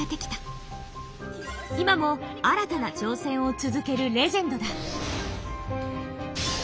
今も新たな挑戦を続けるレジェンドだ。